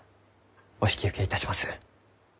お引き受けいたします。